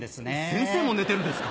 先生も寝てるんですか？